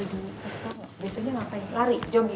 biasanya ngapain lari jogging